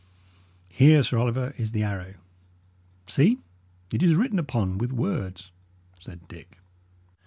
"Here, Sir Oliver, is the arrow. See, it is written upon with words," said Dick.